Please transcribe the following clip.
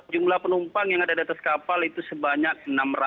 jumlah penumpang yang ada di atas kapal itu sebanyak enam ratus empat puluh sembilan